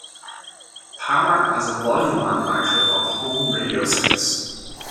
Power as a volume manufacturer of home radio sets.